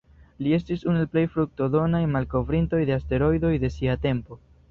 Li estis unu el plej fruktodonaj malkovrintoj de asteroidoj de sia tempo.